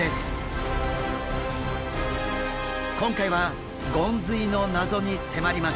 今回はゴンズイの謎に迫ります。